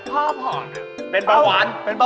สับ